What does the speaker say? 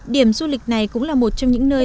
điểm du lịch này cũng là một trong những nơi